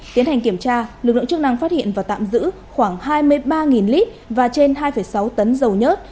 tiến hành kiểm tra lực lượng chức năng phát hiện và tạm giữ khoảng hai mươi ba lít và trên hai sáu tấn dầu nhớt